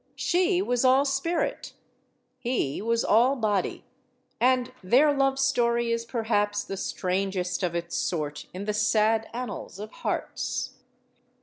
She was all spirit. He was all body. And their love story is, perhaps, the strangest of its sort in the sad annals of hearts.